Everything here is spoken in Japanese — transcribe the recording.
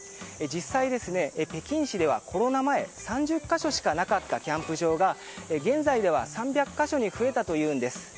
実際、北京市ではコロナ前３０か所しかなかったキャンプ場が現在では３００か所に増えたというんです。